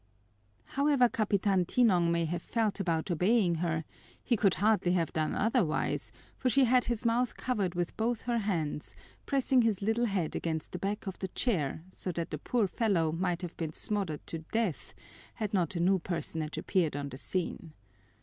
However Capitan Tinong may have felt about obeying her, he could hardly have done otherwise, for she had his mouth covered with both her hands, pressing his little head against the back of the chair, so that the poor fellow might have been smothered to death had not a new personage appeared on the scene.